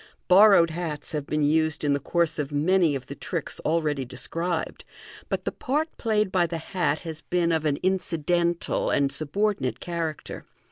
Borrowed hats have been used in the course of many of the tricks already described, but the part played by the hat has been of an incidental and subordinate character.